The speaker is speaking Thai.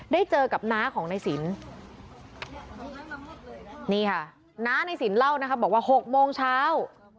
ได้เจอกับน้าของในสินนี่ค่ะน้าในสินเล่านะคะบอกว่า๖โมงเช้า